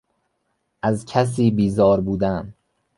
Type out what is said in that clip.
از کسی بیزار بودن